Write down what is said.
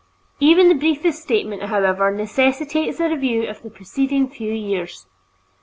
Even the briefest statement, however, necessitates a review of the preceding few years.